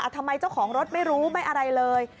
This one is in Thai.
ทำไมเจ้าของรถไม่รู้ไม่อะไรเลย